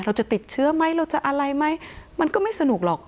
เราจะติดเชื้อไหมเราจะอะไรไหมมันก็ไม่สนุกหรอก